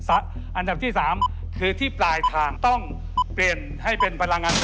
อันดับที่๓คือที่ปลายทางต้องเปลี่ยนให้เป็นพลังงาน